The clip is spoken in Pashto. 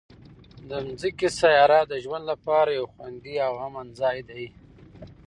د ځمکې سیاره د ژوند لپاره یو خوندي او امن ځای دی.